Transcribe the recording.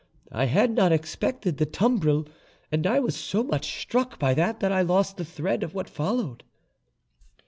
I had not expected the tumbril, and I was so much struck by that that I lost the thread of what followed."